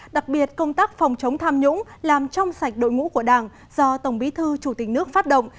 đặc biệt công tác phòng chống tham nhũng làm trong sạch đội ngũ của đảng do tổng bí thư chủ tịch nước phát động